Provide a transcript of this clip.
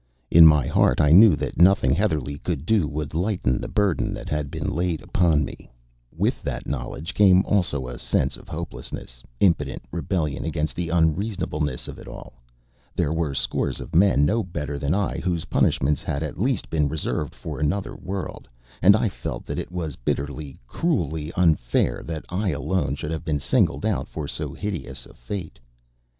In my heart I knew that nothing Heatherlegh could do would lighten the burden that had been laid upon me. With that knowledge came also a sense of hopeless, impotent rebellion against the unreasonableness of it all. There were scores of men no better than I whose punishments had at least been reserved for another world; and I felt that it was bitterly, cruelly unfair that I alone should have been singled out for so hideous a fate.